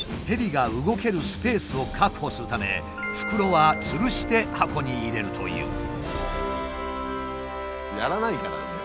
ヘビが動けるスペースを確保するため袋はつるして箱に入れるという。